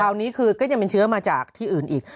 คราวนี้ก็จะเป็นเชื้อมาจากที่อื่นอีก